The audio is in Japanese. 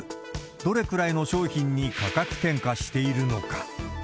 どれくらいの商品に価格転嫁しているのか。